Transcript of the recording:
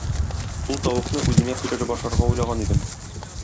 Ул тавыкны үземә пешереп ашарга уйлаган идем.